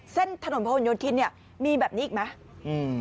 เส้นถนนพระหลโยธินเนี่ยมีแบบนี้อีกไหม